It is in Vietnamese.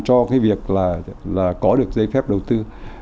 cho cái việc là có được giấy phép đầu tư